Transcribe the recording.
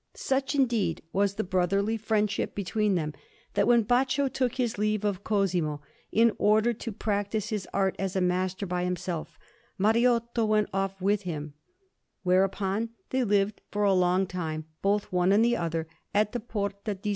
Such, indeed, was the brotherly friendship between them, that when Baccio took his leave of Cosimo, in order to practise his art as a master by himself, Mariotto went off with him; whereupon they lived for a long time, both one and the other, at the Porta a S.